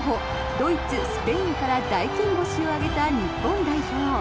ドイツ、スペインから大金星を挙げた日本代表。